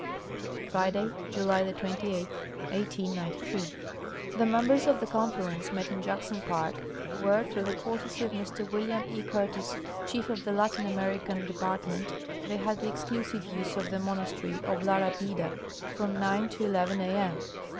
Friday, July 28, 1893. The members of the Conference met in Jackson park, where, through the courtesy of Mr William E. Curtis, chief of the Latin American department, they had the exclusive use of the mon astery of La Rabida from 9 to 11 a m.